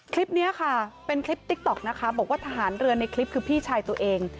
คลิปนี้ค่ะเป็นคลิปติ๊กต๊อกนะคะบอกว่าทหารเรือในคลิปคือพี่ชายตัวเอง